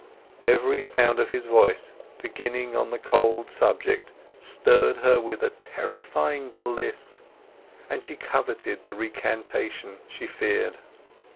Every sound of his voice beginning on the old subject stirred her with a terrifying bliss, and she coveted the recantation she feared.